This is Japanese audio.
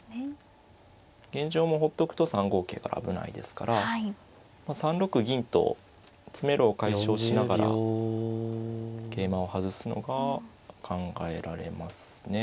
現状もほっとくと３五桂が危ないですから３六銀と詰めろを解消しながら桂馬を外すのが考えられますね。